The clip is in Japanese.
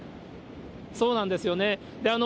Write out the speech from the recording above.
そうなんですよね。